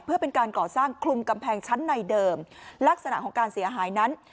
เพื่อเป็นการก่อสร้างคลุมกำแพงชั้นในเดิมลักษณะของการเสียหายนั้น